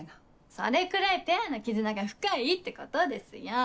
それくらいペアの絆が深いってことですよぉ。